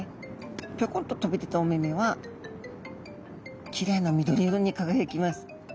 ぴょこんと飛び出たお目目はきれいな緑色に輝きます。